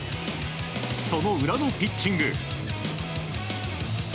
その裏のピッチング。